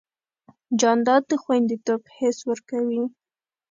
جانداد د خوندیتوب حس ورکوي.